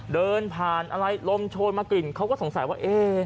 เดินผ่านอะไรลมโชนมากลิ่นเขาก็สงสัยว่าเอ๊ะ